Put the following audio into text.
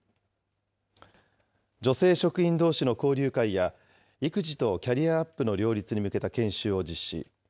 女性職員どうしの交流会や、育児とキャリアアップの両立に向けた研修を実施。